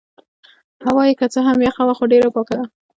هوا يې که څه هم یخه ده خو ډېره پاکه ده.